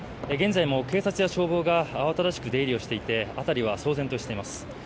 現在も警察や消防が慌ただしく出入りしていて辺りは騒然としています。